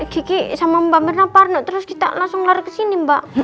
kiki sama mbak merna parno terus kita langsung lari kesini mbak